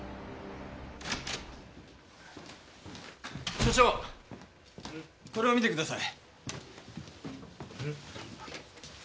所長これを見てください。